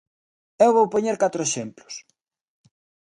Eu vou poñer catro exemplos.